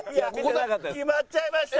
決まっちゃいました！